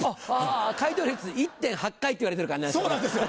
あ回答率１．８回っていわれてるからね。